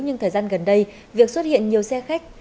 nhưng thời gian gần đây việc xuất hiện nhiều xe khách